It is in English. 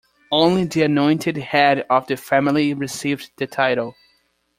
Only the anointed head of the family received the title.